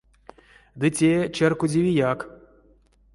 Ды те чарькодевияк.